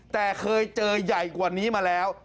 แต่เคยเจอใหญ่กว่านี้มาแล้ว